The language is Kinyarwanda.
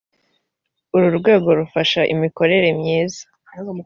uru rwego rufasha imikorere myiza.